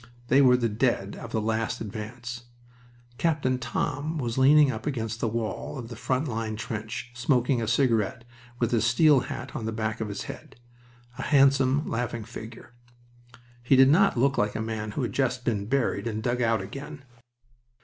They were the dead of the last advance. Captain Thom was leaning up against the wall of the front line trench, smoking a cigarette, with his steel hat on the back of his head a handsome, laughing figure. He did not look like a man who had just been buried and dug out again.